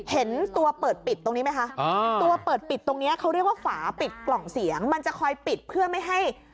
เห็นตัวเปิดปิดตรงนี้ไหมคะตัวเปิดปิดตรงนี้เขาเรียกว่าฝาปิดกล่องเสียงมันจะคอยปิดเพื่อไม่ให้